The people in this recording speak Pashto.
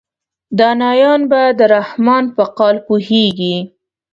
دانایان به د رحمان په قال پوهیږي.